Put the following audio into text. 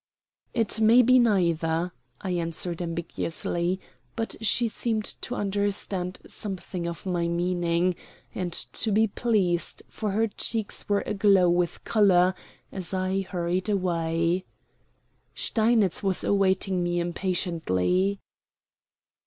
"It may be neither," I answered ambiguously; but she seemed to understand something of my meaning, and to be pleased, for her cheeks were aglow with color as I hurried away. Steinitz was awaiting me impatiently.